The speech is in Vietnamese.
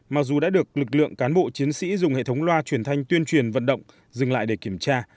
mặc dù đã được lực lượng cán bộ chiến sĩ dùng hệ thống loa truyền thanh tuyên truyền vận động dừng lại để kiểm tra